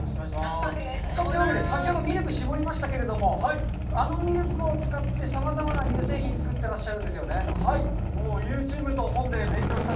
さあ、というわけで、先ほどミルクを搾りましたけれども、あのミルクを使ってさまざまな乳製品を作っていらっしゃるんですよね？